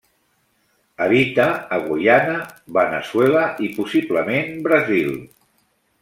Habita a Guyana, Veneçuela, i possiblement Brasil.